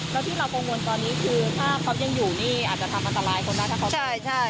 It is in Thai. แล้วที่เรากงวลตอนนี้คือถ้าเขายังอยู่นี่อาจจะทำอันตรายคนนะ